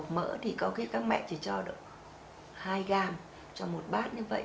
bột mỡ thì có khi các mẹ chỉ cho hai gram cho một bát như vậy